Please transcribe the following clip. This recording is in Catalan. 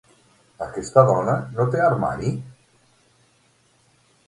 Aquesta dona no té armari?